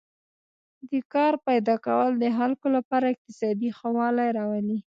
د کار پیدا کول د خلکو لپاره اقتصادي ښه والی راولي.